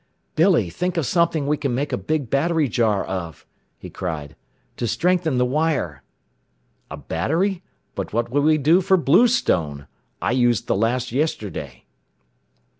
"Billy, think of something we can make a big battery jar of!" he cried. "To strengthen the wire!" "A battery? But what would we do for bluestone? I used the last yesterday!"